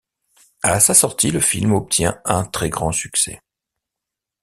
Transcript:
À sa sortie, le film obtient un très grand succès.